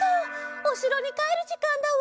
おしろにかえるじかんだわ。